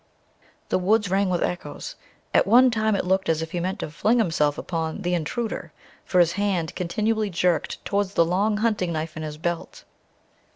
The woods rang with echoes. At one time it looked as if he meant to fling himself upon "the intruder," for his hand continually jerked towards the long hunting knife in his belt.